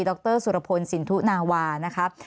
ดรสุรพนธ์สินทุนาวานะคะ